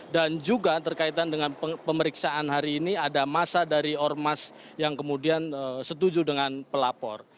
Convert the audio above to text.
dan juga terkaitan dengan pemeriksaan hari ini ada masa dari ormas yang kemudian setuju dengan pelapor